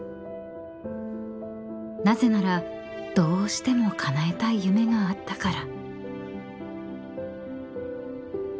［なぜならどうしてもかなえたい夢があったから］